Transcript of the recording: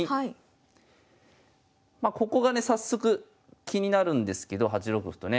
まここがね早速気になるんですけど８六歩とね。